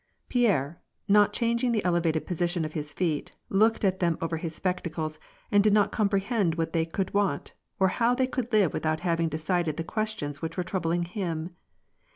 Pierre, not changing the elevated position of his feet, looked at them over his spectacles, and did not comprehend what they could want, or how they could live without having de cided the questions which were troubling him.